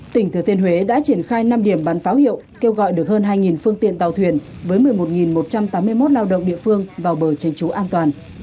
tỉnh thừa thiên huế đã triển khai năm điểm bán pháo hiệu kêu gọi được hơn hai phương tiện tàu thuyền với một mươi một một trăm tám mươi một lao động địa phương vào bờ tránh trú an toàn